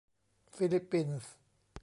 ฟิลิปปินส์